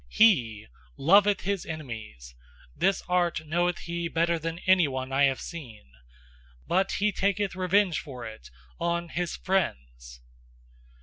HE loveth his enemies: this art knoweth he better than any one I have seen. But he taketh revenge for it on his friends!"